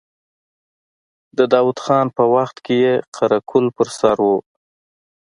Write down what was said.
د داود خان په وخت کې يې قره قل پر سر و.